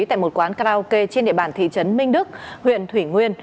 tại một quán karaoke trên địa bàn thị trấn minh đức huyện thủy nguyên